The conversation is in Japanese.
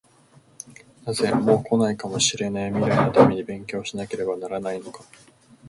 なぜ、もう来ないかもしれない未来のために勉強しなければならないのか？